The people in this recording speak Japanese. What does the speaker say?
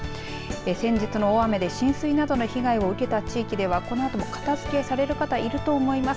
先日の大雨で浸水などの被害を受けた地域ではこのあとも片づけされる方いると思います。